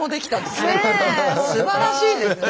すばらしいですね。